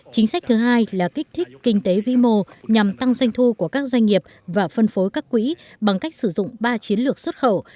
chính sách thứ hai là kích thích kinh tế vĩ mô nhằm tăng doanh thu của các doanh nghiệp và phân phối các quỹ bằng cách sử dụng ba chiến lược xuất khẩu